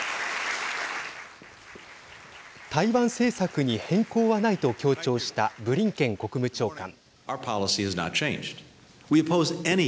台湾政策に変更はないと強調したブリンケン国務長官。